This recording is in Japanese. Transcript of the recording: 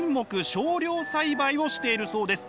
少量栽培をしているそうです。